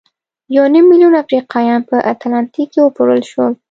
یو نیم میلیون افریقایان په اتلانتیک کې وپلورل شول.